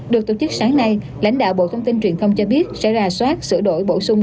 được tổ chức sáng nay lãnh đạo bộ thông tin truyền thông cho biết sẽ ra soát sửa đổi bổ sung